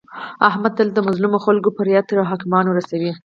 احمد تل د مظلمو خلکو فریاد تر حاکمانو رسوي.